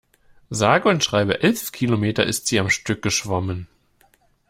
Sage und schreibe elf Kilometer ist sie am Stück geschwommen.